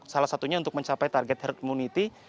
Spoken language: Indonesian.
salah satunya untuk mencapai target herd immunity